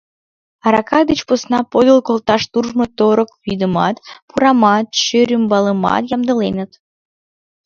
Арака деч посна подыл колташ туржмо торык вӱдымат, пурамат, шӧрӱмбалымат ямдыленыт.